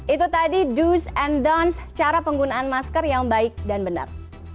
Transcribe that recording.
itu tadi do's and don'ts cara penggunaan masker yang baik dan benar